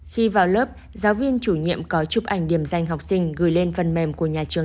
khi vào lớp giáo viên chủ nhiệm có chụp ảnh điểm danh học sinh gửi lên phần mềm của nhà trường